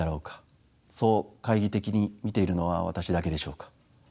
そう懐疑的に見ているのは私だけでしょうか？